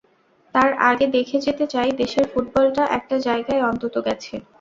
তার আগে দেখে যেতে চাই দেশের ফুটবলটা একটা জায়গায় অন্তত গেছে।